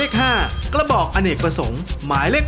โโหอดเลย